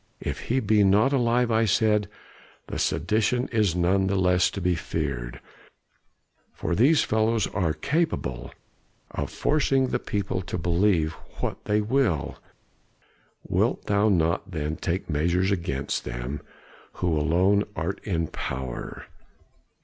"'If he be not alive,' I said, 'the sedition is none the less to be feared, for these fellows are capable of forcing the people to believe what they will. Wilt thou not then take measures against them who alone art in power?